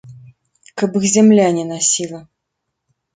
Каб іх зямля не насіла!